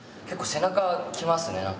結構背中きますね。